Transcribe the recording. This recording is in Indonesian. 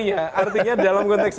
artinya dalam konteks